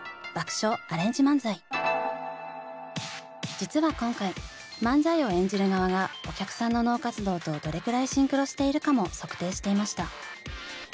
実は今回漫才を演じる側がお客さんの脳活動とどれくらいシンクロしているかも測定していました。